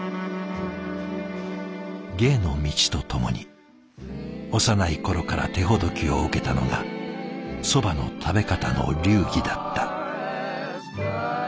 芸の道とともに幼い頃から手ほどきを受けたのがそばの食べ方の流儀だった。